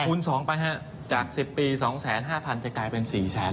คูณ๒ไปฮะจาก๑๐ปี๒๐๕๐๐๐บาทจะกลายเป็น๔๐๐๐๐๐บาท